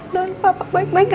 dan papa baik baik aja